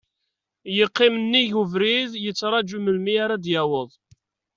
Yeqqim nnig ubrid yettraju melmi ara d-yaweḍ.